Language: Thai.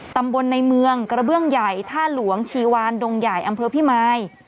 ตำบลในเมืองกระเบื้องใหญ่ท่าหลวงชีวานดงใหญ่อำเภอพิมาย